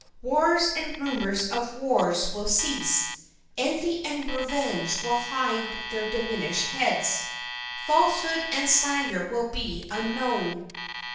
Wars and rumors of wars will cease. Envy and revenge will hide their diminished heads. Falsehood and slander will be unknown.